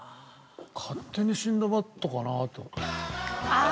『勝手にシンドバッド』かなと思った。